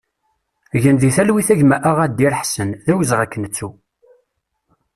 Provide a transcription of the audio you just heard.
Gen di talwit a gma Aɣadir Aḥsen, d awezɣi ad k-nettu!